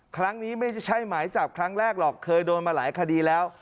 ครั้งนี้ไม่ใช่หมายจับครั้งแรกหรอกเคยโดนมาหลายคดีแล้ว